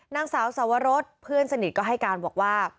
นางสาวสวรสเพื่อนสนิทก็ให้การบอกว่า